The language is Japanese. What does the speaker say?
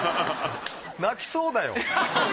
泣きそうだよ。